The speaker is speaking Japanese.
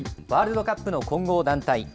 ワールドカップの混合団体。